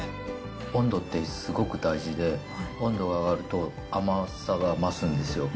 温度ってすごく大事で、温度が上がると甘さが増すんですよ。